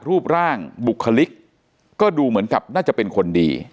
รูปร่างบุคลิกก็ดูเหมือนกับน่าจะเป็นคนดี